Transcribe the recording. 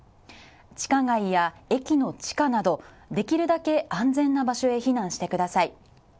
地下街や駅の地下などできるだけ安全な場所へ避難してください。